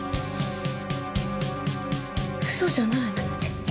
嘘じゃない。